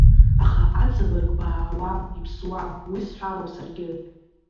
Аха аҵабырг баауам, иԥсуам, уи сҳәароуп саргьы.